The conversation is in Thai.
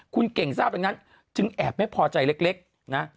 คุณเก่งทราบดังนั้นจึงแอบไม่พอใจเล็กนะ